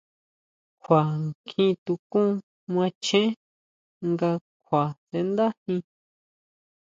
Kjua kjí tukún macheén nga kjua sʼendajin.